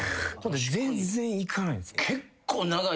全然いかないんです。